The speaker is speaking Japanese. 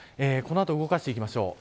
動かしていきましょう。